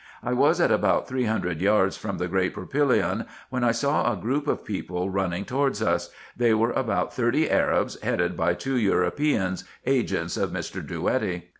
I was at about three hundred yards from the great propylaeon, when I saw a group of people running towards us ; they were about thirty Arabs, headed by two Europeans, agents of Mr. Drouetti.